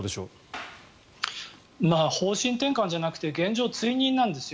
方針転換じゃなくて現状追認なんですよ。